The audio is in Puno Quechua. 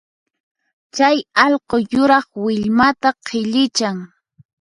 Chay allqu yuraq willmata qhillichan